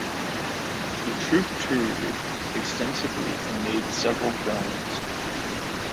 The troupe toured extensively and made several films.